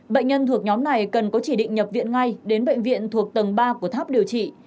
bệnh nhân thuộc nhóm này cần có chỉ định nhập viện ngay đến bệnh viện thuộc tầng ba của tháp điều trị